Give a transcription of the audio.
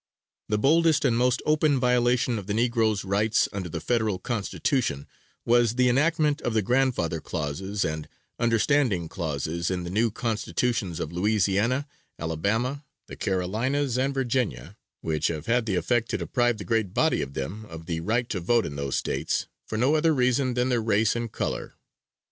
The boldest and most open violation of the negro's rights under the Federal Constitution, was the enactment of the grand father clauses, and understanding clauses in the new Constitutions of Louisiana, Alabama, the Carolinas, and Virginia, which have had the effect to deprive the great body of them of the right to vote in those States, for no other reason than their race and color.